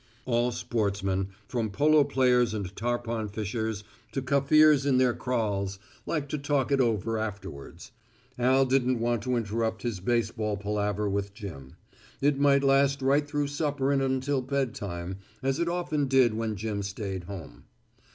All sportsmen, from polo players and tarpon fishers to Kaffirs in their kraals, like to talk it over afterwards. Al didn't want to interrupt his baseball palaver with Jim. It might last right through supper and until bedtime, as it often did when Jim stayed home.